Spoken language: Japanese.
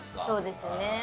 そうですね。